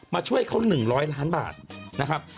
ช่วยเขา๑๐๐ล้านบาทนะครับ